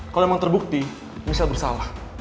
kalo emang terbukti michelle bersalah